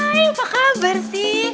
hai apa kabar sih